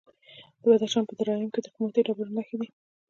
د بدخشان په درایم کې د قیمتي ډبرو نښې دي.